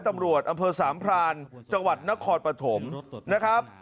ตำรวจอำเภอสามพรานจังหวัดนครปฐมนะครับ